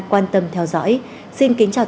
quan tâm theo dõi xin kính chào tạm biệt